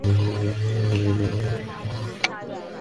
মনে হয় না তিনি আপনার সাথে এ ব্যাপারে যোগাযোগ করবেন।